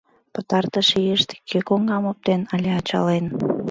Пытартыш ийлаште кӧ коҥгам оптен але ачален?